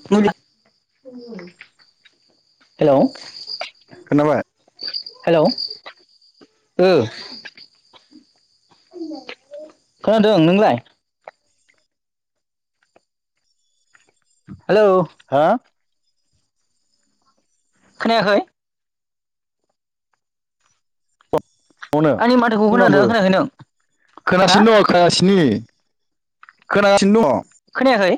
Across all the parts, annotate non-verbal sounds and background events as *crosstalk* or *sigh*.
*unintelligible* हेल' खोनाबाय? हेलौ ओ खोनादों नोंलाय? *inaudible* हेलौ हा खोनायाखै? अनो आंनि माथोखौ खोनादों आंनाबो खोनायाखै नों हा खोनागासिनो दङ' खोनागासिनि। खोनागासिनो दङ'। खोनायाखै?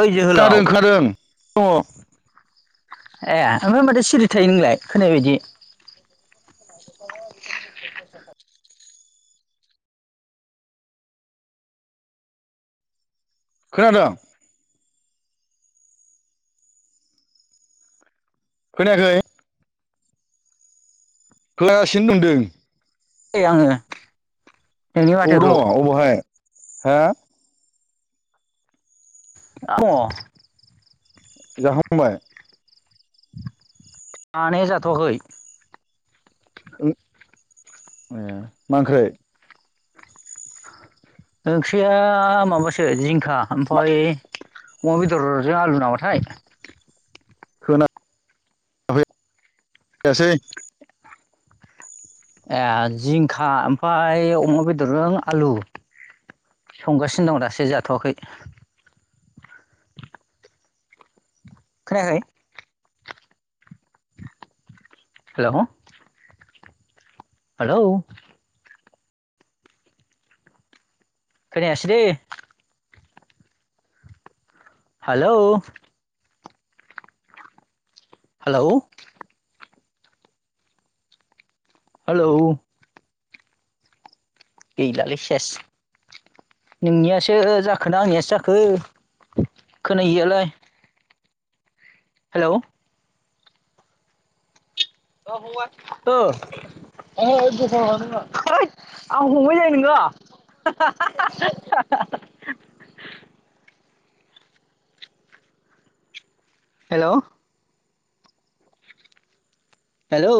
ओइ दङ जोहोलाव खोनादों खोनादों दङ' ए ओमफ्राय माथो सिरि थायो नोंलाय खोनायै बायदि। खोनादों? खोनायाखै? खोनागासिनो दंदों। ए आंङो। अबाव दङ अबावहाय हो *unintelligible* जाखांबाय? जानाया जाथवाखै। ए मा ओंख्रै ओंख्रिया माबासो जिं खा मा ओमफाय अमा बेदरजों आलु नामाथाय खोना फै यासै ए जिंखा ओमफ्राय अमा बेदरजों आलु संगासिनो दं दासो जाथ'आखै खोनायाखै हेलौ हालौ खोनयासि दै हालौ हालौ हालौ गैलालै सेस नोंनियासो जाखोना आंनियासो जाखो खोनायियालाय हेलौ अ फंबाय ओ ओय दखानाव थांदोंमोन आं होथ आंखौ फंबाय जायो नोङो। Hello hello